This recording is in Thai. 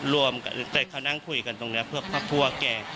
รวมกันแต่เขานั่งคุยกันตรงนี้เพื่อครอบครัวแก